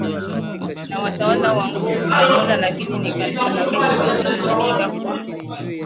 na watawala kwa nguvu za dola Lakini ni Kanisa la Misri lililompinga kwa